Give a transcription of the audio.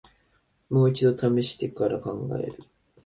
もう一度ためしてから考える